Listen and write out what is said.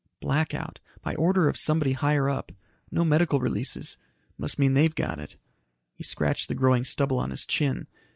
"Black out. By order of somebody higher up no medical releases. Must mean they've got it." He scratched the growing stubble on his chin.